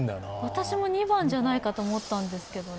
私も２番じゃないかと思ったんですけどね。